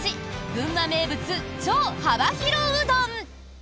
群馬名物、超幅広うどん！